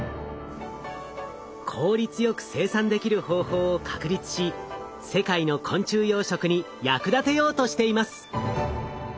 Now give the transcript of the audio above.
効率よく生産できる方法を確立し世界の昆虫養殖に役立てようとしています。